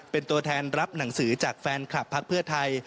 เป็นตัวแทนรับหนังสือจากแฟนคลับพักเพื่อไทย